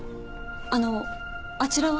あのうあちらは？